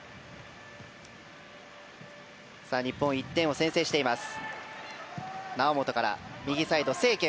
日本、１点を先制しています。